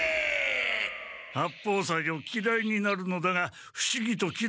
八方斎をきらいになるのだがふしぎときらいにならない。